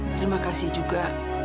terima kasih juga